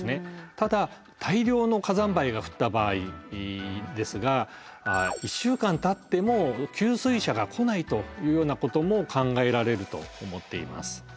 ただ大量の火山灰が降った場合ですが１週間たっても給水車が来ないというようなことも考えられると思っています。